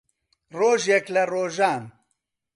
ڕۆژێک لە ڕۆژان